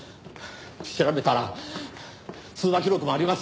調べたら通話記録もありますしね。